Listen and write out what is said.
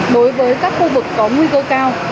đối với các khu vực có nguy cơ cao